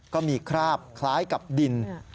ก็มีคราบคล้ายกับดิน